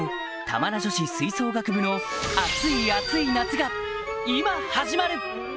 玉名女子吹奏楽部の熱い熱い夏が今始まる！